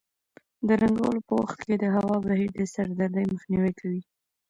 د رنګولو په وخت کې د هوا بهیر د سر دردۍ مخنیوی کوي.